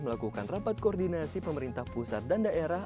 melakukan rapat koordinasi pemerintah pusat dan daerah